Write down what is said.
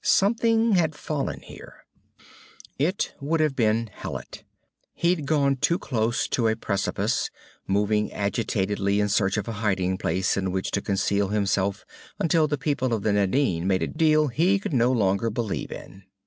Something had fallen, here. It would have been Hallet. He'd gone too close to a precipice, moving agitatedly in search of a hiding place in which to conceal himself until the people of the Nadine made a deal he could no longer believe in.